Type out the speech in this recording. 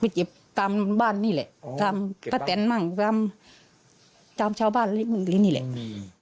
ไปเก็บตามบ้านนี่แหละอ๋อเก็บบ้านตามชาวบ้านหรือนี่แหละอืม